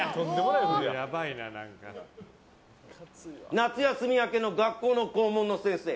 夏休み明けの学校の校門の先生。